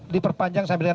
diperpanjang sampai dengan